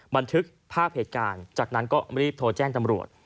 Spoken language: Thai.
บันทึกภาพเหตุการณ์จากนั้นก็รีบโทรแจ้งตำรวจ